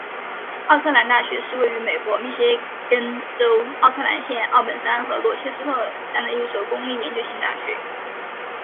奥克兰大学是位于美国密歇根州奥克兰县奥本山和罗切斯特山的一所公立研究型大学。